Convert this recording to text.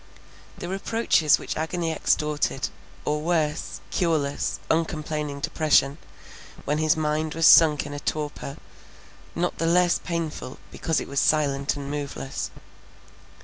The reproaches which agony extorted; or worse, cureless, uncomplaining depression, when his mind was sunk in a torpor, not the less painful because it was silent and moveless.